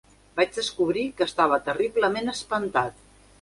Vaig descobrir que estava terriblement espantat